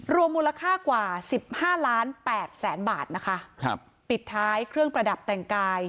รวมมูลค่ากว่าสิบห้าล้านแปดแสนบาทนะคะครับปิดท้ายเครื่องประดับแต่งกาย